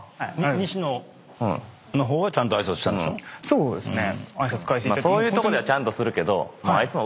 そうですね。